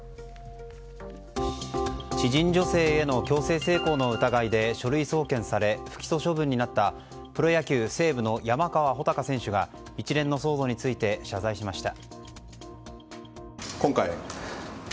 知人女性への強制性交の疑いで書類送検され不起訴処分になったプロ野球、西武の山川穂高選手が一連の騒動について謝罪しました。